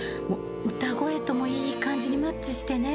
歌声ともいい感じにマッチしてね。